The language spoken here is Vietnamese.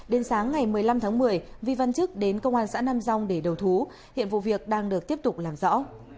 đến sáng ngày một mươi năm tháng một mươi vi văn chức đến công an xã nam rong để đầu thú hiện vụ việc đang được tiếp tục làm rõ